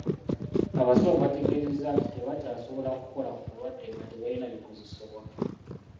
Abasawo bategeezezza nti tebakyasobola kukola ku balwadde nga tebalina bikozesebwa.